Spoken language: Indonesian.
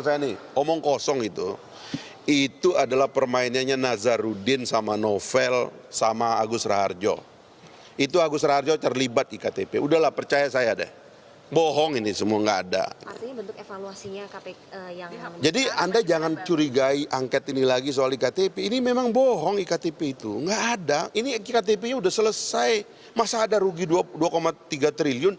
faryamzah ktp elektronik dan ktp ketua dpr r i faryamzah